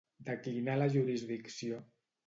Declinar la jurisdicció.